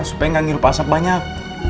supaya nggak ngirup asap banyak